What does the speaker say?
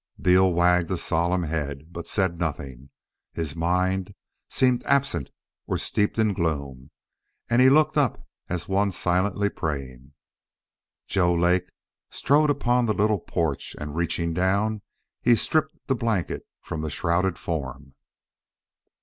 Beal wagged a solemn head, but said nothing. His mind seemed absent or steeped in gloom, and he looked up as one silently praying. Joe Lake strode upon the little porch and, reaching down, he stripped the blanket from the shrouded form.